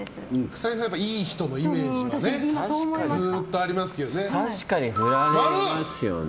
草なぎさん、いい人のイメージがずっとありますよね。